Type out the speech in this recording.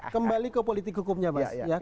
kembali ke politik hukumnya mas